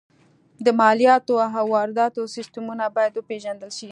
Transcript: د مالیاتو او وارداتو سیستمونه باید وپېژندل شي